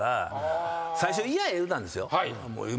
最初嫌や言うてたんですよ。